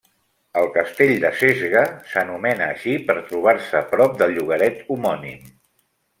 El castell de Sesga s'anomena així per trobar-se prop del llogaret homònim.